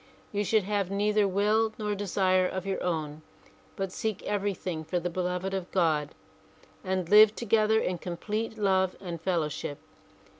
You should have neither will nor desire of your own but seek everything for the beloved of God and live together in complete love and fellow ship.